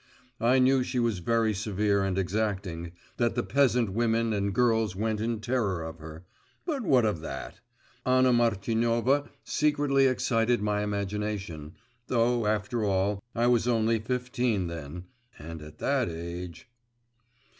I knew she was very severe and exacting, that the peasant women and girls went in terror of her but what of that? Anna Martinovna secretly excited my imagination … though after all, I was only fifteen then, and at that age!